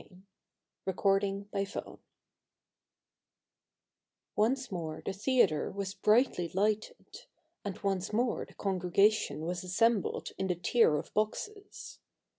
v BOOK V CHAPTER I Once more the theatre was brightly Hghted ; and once more the congregation was assembled in the tier of boxes.